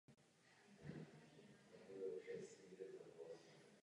Narodila se v Římě v Itálii.